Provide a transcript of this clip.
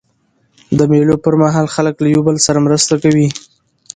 د مېلو پر مهال خلک له یوه بل سره مرسته کوي.